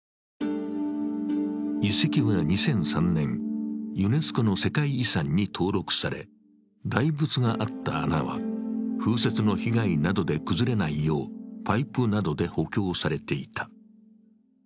遺跡は２００３年、ユネスコの世界遺産に登録され大仏があった穴は風雪の被害などで崩れないようパイプなどで補強されていた。